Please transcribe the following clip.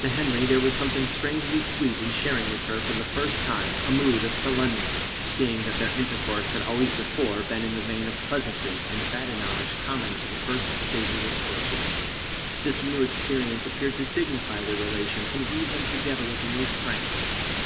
To Henry there was something strangely sweet in sharing with her for the first time a mood of solemnity, seeing that their intercourse had always before been in the vein of pleasantry and badinage common to the first stages of courtships. This new experience appeared to dignify their relation, and weave them together with a new strand.